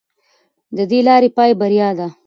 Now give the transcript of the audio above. د دې لارې پای بریا ده.